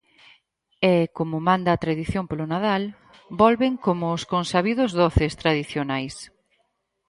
E, como manda a tradición polo Nadal, volven como os consabidos doces tradicionais.